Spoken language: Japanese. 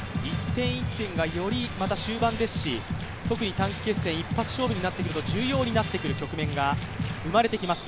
１点１点がより終盤ですし、特に短期決戦一発勝負になってくると、重要になってくる局面が生まれてきます。